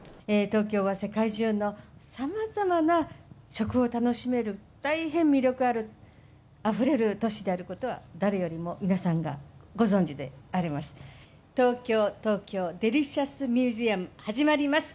東京は世界中のさまざまな食を楽しめる、大変魅力ある、あふれる都市であることは、誰よりも皆さんがご存じであります。